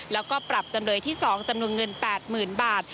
แล้วก็ปรับจำเลยที่๒จำนวนเงิน๘๐๐๐บาท